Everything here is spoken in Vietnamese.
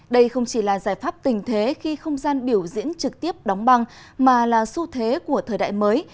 đây không chỉ là giải pháp tình thế khi không gian biểu diễn trực tiếp đóng băng mà là xu thế của thời đại mới